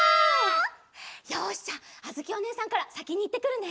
よしじゃああづきおねえさんからさきにいってくるね！